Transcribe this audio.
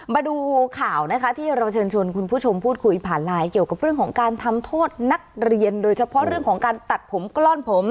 มาดูข่าวนะคะที่เราเชิญชวนคุณผู้ชมพูดคุยผ่านไลน์เกี่ยวกับเรื่องของการทำโทษนักเรียนโดยเฉพาะเรื่องของการตัดผมกล้อนผม